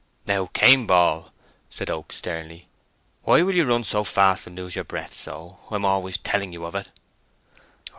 "Now, Cain Ball," said Oak, sternly, "why will you run so fast and lose your breath so? I'm always telling you of it."